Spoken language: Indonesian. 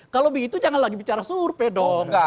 kalau begitu jangan lagi bicara survei dong